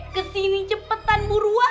kesini cepetan buruan